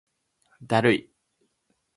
だるい